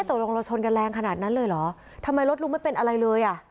ตกลงเราชนกันแรงขนาดนั้นเลยเหรอทำไมรถลุงไม่เป็นอะไรเลยอ่ะ